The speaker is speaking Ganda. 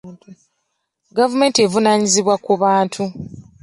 Gavumenti evunaanyizibwa ku bantu.